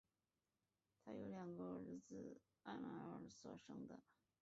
她有两个儿子艾麦尔所生的。